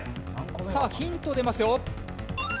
さあヒント出ますよ。